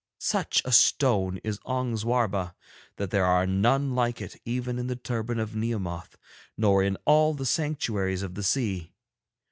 Such a stone is Ong Zwarba that there are none like it even in the turban of Nehemoth nor in all the sanctuaries of the sea.